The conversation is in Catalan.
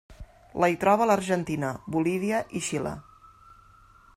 La hi troba a l'Argentina, Bolívia, i Xile.